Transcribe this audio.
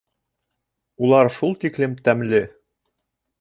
Улар шул тиклем тәмле.